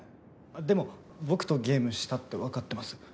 でも僕とゲームしたってわかってます。